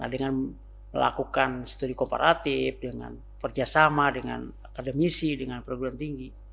dengan melakukan studi kooperatif dengan kerjasama dengan akademisi dengan perguruan tinggi